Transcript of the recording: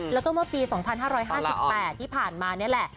แล้วก็เมื่อปี๒๕๕๘ที่ผ่านมานี่แหละ